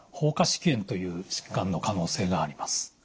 蜂窩織炎という疾患の可能性があります。